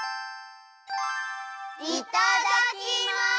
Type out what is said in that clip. いただきます！